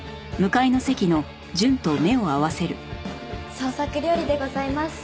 創作料理でございます。